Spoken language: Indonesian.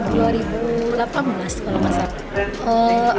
dua ribu delapan belas kalau tidak salah